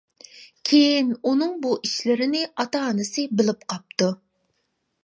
كىيىن ئۇنىڭ بۇ ئىشلىرىنى ئاتا-ئانىسى بىلىپ قاپتۇ.